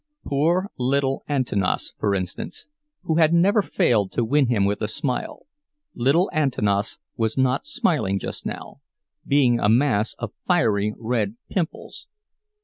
Poor little Antanas, for instance—who had never failed to win him with a smile—little Antanas was not smiling just now, being a mass of fiery red pimples.